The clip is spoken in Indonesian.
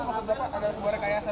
maksud bapak ada sebuah rekayasa